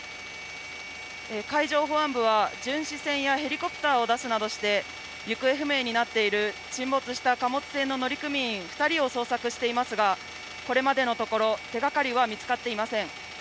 海上保安部は巡視船やヘリコプターを出すなどして行方不明になっている沈没した貨物船の乗組員２人を捜索していますがこれまでのところ手がかりは見つかっていません。